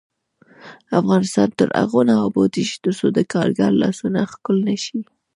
افغانستان تر هغو نه ابادیږي، ترڅو د کارګر لاسونه ښکل نشي.